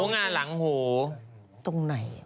หูงานหลังหูตรงไหน